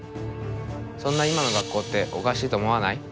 そんな今の学校っておかしいと思わない？